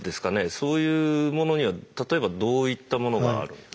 そういうものには例えばどういったものがあるんですか？